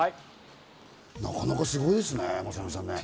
なかなかすごいですね。